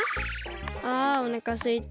あおなかすいた！